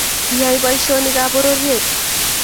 Kiyae boishonik ab pororiet